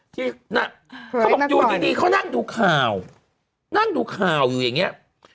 ที่น่ะเขาบอกอยู่ดีเขานั่งดูข่าวนั่งดูข่าวอยู่อย่างนี้